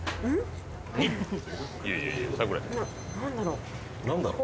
な何だろう。